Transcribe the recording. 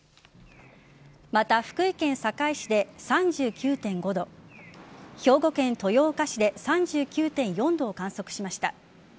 また、福井県坂井市で３９．５度兵庫県豊岡市で３９．４度を観測しました。